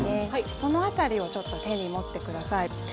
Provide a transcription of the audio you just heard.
その辺りを手に持ってください。